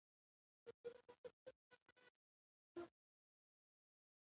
استازي د خپلو استازو د ټاکنې له لارې واک عملي کوي.